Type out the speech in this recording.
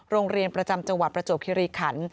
โรงเรียนประจำจังหวัดประจวบคิริขัน